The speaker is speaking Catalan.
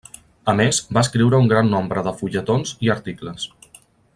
A més, va escriure un gran nombre de fulletons i articles.